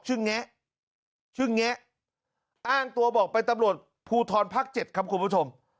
แงะชื่อแงะอ้างตัวบอกเป็นตำรวจภูทรภาค๗ครับคุณผู้ชม